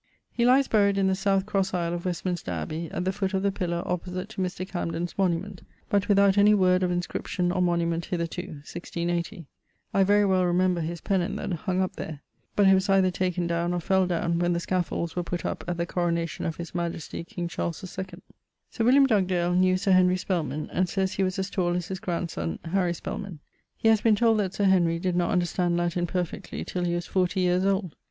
He lies buried in the south crosse aisle of Westminster abbey, at the foot of the pillar opposite to Mr. Camden's monument, but without any word of inscription or monument hitherto (1680).I very well remember his penon that hung up there, but it was either taken downe or fell downe when the scaffolds were putt up at the coronation of his majestie king Charles II. Sir William Dugdale knew Sir Henry Spelman, and sayes he was as tall as his grandson, Harry Spelman. He haz been told that Sir Henry did not understand Latin perfectly till he was fourty years old.